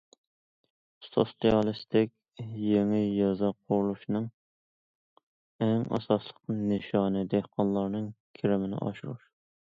سوتسىيالىستىك يېڭى يېزا قۇرۇشنىڭ ئەڭ ئاساسلىق نىشانى دېھقانلارنىڭ كىرىمىنى ئاشۇرۇش.